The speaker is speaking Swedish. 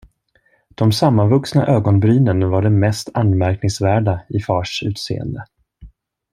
De sammanvuxna ögonbrynen var det mest anmärkningsvärda i fars utseende.